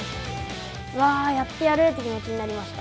うわー、やってやるって気持ちになりました。